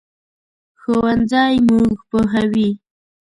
ښوونځی موږ پوهوي